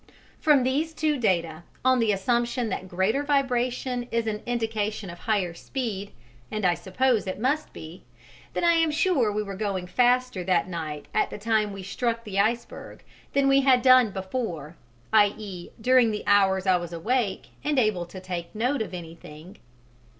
From these two data, on the assumption that greater vibration is an indication of higher speed, and I suppose it must be, then I am sure we were going faster that night at the time we struck the iceberg than we had done before, i.e., during the hours I was awake and able to take note of anything.